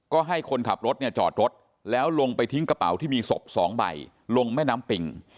ก็ให้คนขับรถเนี่ยจอดรถแล้วลงไปทิ้งกระเป๋าที่มีศพ๒ใบลงแม่น้ำปิ่ง